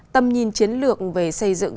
tâm nhìn chiến lược về xây dựng